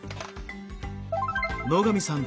野上さん